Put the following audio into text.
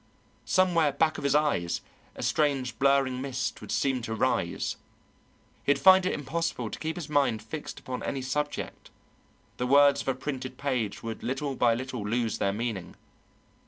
Somewhere back of his eyes a strange blurring mist would seem to rise; he would find it impossible to keep his mind fixed upon any subject; the words of a printed page would little by little lose their meaning.